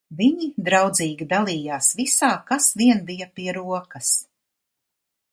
Viņi draudzīgi dalījās visā, kas vien bija pie rokas.